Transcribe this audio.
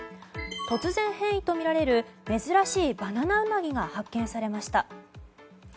突然変異とみられる珍しいバナナウナギが発見されました。